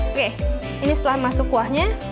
oke ini setelah masuk kuahnya